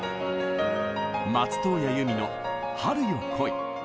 松任谷由実の「春よ、来い」。